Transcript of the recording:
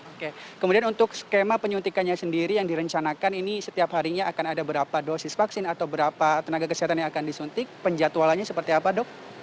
oke kemudian untuk skema penyuntikannya sendiri yang direncanakan ini setiap harinya akan ada berapa dosis vaksin atau berapa tenaga kesehatan yang akan disuntik penjatualannya seperti apa dok